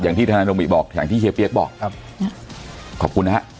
อย่างที่ธนโรมิบอกอย่างที่เฮียเปี๊ยกบอกครับครับขอบคุณนะฮะ